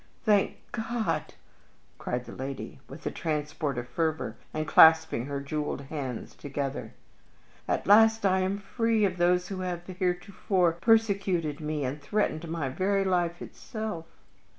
"Thank God!" cried the lady, with a transport of fervor, and clasping her jeweled hands together. "At last I am free of those who have heretofore persecuted me and threatened my very life itself!